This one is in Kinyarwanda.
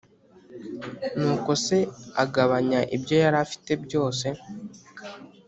Nuko se abagabanya ibyo yari afite byose